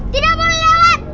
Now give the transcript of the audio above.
tidak boleh lewat